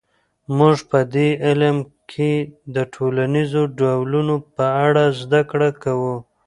موږ په دې علم کې د ټولنیزو ډلو په اړه زده کړه کوو.